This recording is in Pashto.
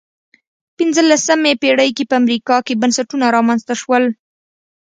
پنځلسمې پېړۍ کې په امریکا کې بنسټونه رامنځته شول.